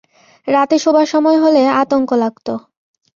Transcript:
রাতে শোবার সময় হলে আতঙ্ক লাগতো।